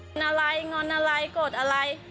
งอนอะไรงอนอะไรกดอะไร